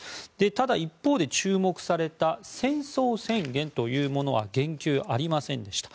ただ一方で注目された戦争宣言というものは言及ありませんでした。